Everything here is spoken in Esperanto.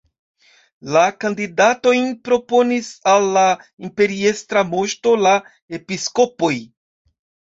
La kandidatojn proponis al la imperiestra moŝto la episkopoj.